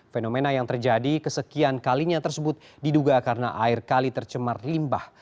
fenomena yang terjadi kesekian kalinya tersebut diduga karena air kali tercemar limbah